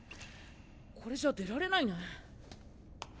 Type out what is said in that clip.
これじゃ出られないね。